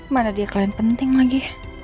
mana dia klaim penting lagi